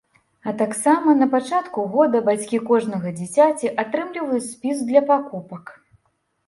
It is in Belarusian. А таксама на пачатку года бацькі кожнага дзіцяці атрымліваюць спіс для пакупак.